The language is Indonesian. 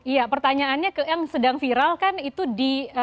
iya pertanyaannya yang sedang viral kan itu di